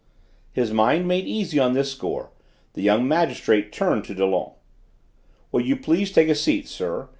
His mind made easy on this score, the young magistrate turned to Dollon. "Will you please take a seat, sir?"